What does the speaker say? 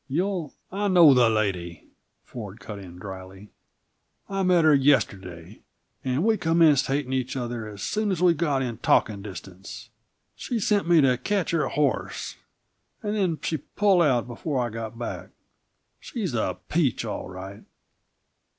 You'll " "I know the lady," Ford cut in dryly. "I met her yesterday, and we commenced hating each other as soon as we got in talking distance. She sent me to catch her horse, and then she pulled out before I got back. She's a peach, all right!"